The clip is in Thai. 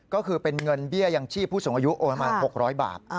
ก็คือเป็นเงินเบี้ยยังชีพผู้สูงอายุโอนมา๖๐๐บาท